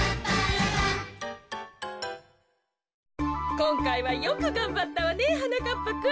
こんかいはよくがんばったわねはなかっぱくん。